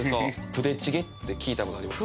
プデチゲって聞いたことあります？